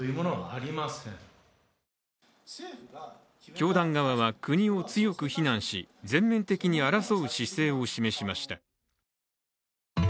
教団側は国を強く非難し全面的に争う姿勢を示しました。